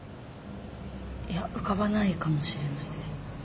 いや浮かばないかもしれないです。